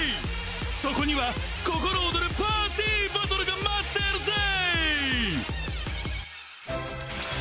そこにはココロオドルパーティーバトルが待ってるぜー！